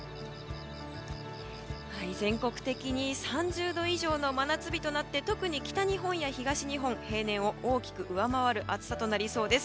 全国的に３０度以上の真夏日となって特に北日本や東日本は平年を大きく上回る暑さとなりそうです。